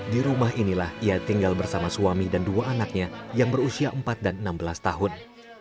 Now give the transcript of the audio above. di rumah inilah ia tinggal bersama suami dan dua anaknya yang berusia empat dan enam belas tahun